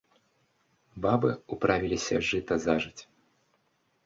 Бабы ўправіліся жыта зажаць.